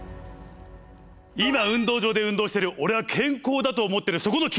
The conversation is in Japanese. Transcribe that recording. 今運動場で運動してる俺は健康だと思ってるそこの君！